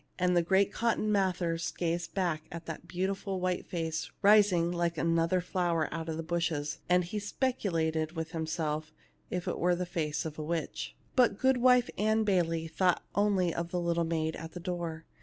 And the great Cotton Mather gazed back at that beautiful white face rising like another flower out of the bushes, and he speculated with himself if it were the face of a witch. But Goodwife Ann Bayley thought only on the little maid at the door.